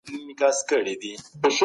ټولګي کار څنګه د مفاهیمو روښانتیا زیاتوي؟